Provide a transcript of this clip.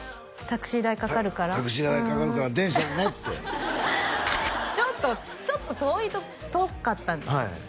「タクシー代がかかるから電車でね」ってちょっとちょっと遠い遠かったんですよ